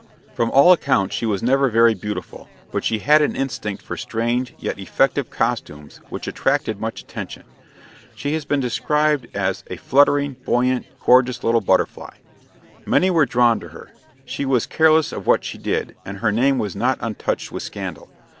From all accounts, she was never very beautiful; but she had an instinct for strange, yet effective, costumes, which attracted much attention. She has been described as "a fluttering, buoyant, gorgeous little butterfly." Many were drawn to her. She was careless of what she did, and her name was not untouched with scandal.